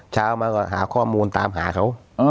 เช้ามาก็หาข้อมูลตามหาเขา